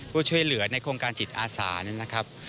ผู้ช่วยเหลือในโครงการจิตอาสานะครับ